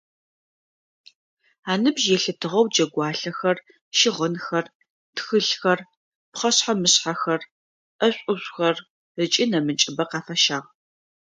Аныбжь елъытыгъэу джэгуалъэхэр, щыгъынхэр, тхылъхэр, пхъэшъхьэ-мышъхьэхэр, ӏэшӏу-ӏушӏухэр ыкӏи нэмыкӏыбэ къафащагъ.